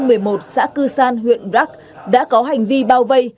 cơ quan một mươi một xã cư san huyện rắc đã có hành vi bao vây